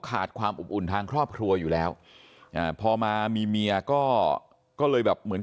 ขาดความอบอุ่นทางครอบครัวอยู่แล้วอ่าพอมามีเมียก็เลยแบบเหมือน